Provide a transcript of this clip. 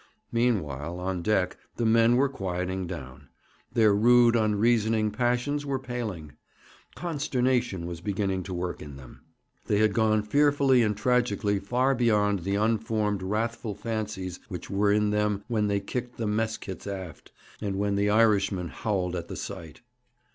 Meanwhile, on deck, the men were quieting down. Their rude, unreasoning passions were paling. Consternation was beginning to work in them. They had gone fearfully and tragically far beyond the unformed wrathful fancies which were in them when they kicked the mess kids aft, and when the Irishman howled at the sight.